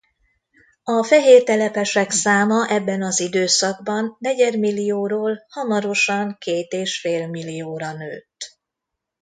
A fehér telepesek száma ebben az időszakban negyedmillióról hamarosan két és fél millióra nőtt.